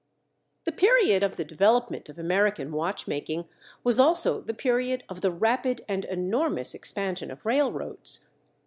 The period of the development of American watch making was also the period of the rapid and enormous expansion of railroads.